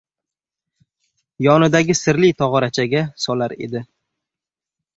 yonidagi sirli tog‘orachaga solar edi.